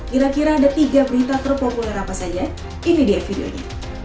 kira kira ada tiga berita terpopuler apa saja ini dia videonya